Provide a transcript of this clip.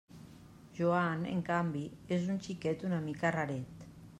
Joan, en canvi, és un xiquet una mica «raret».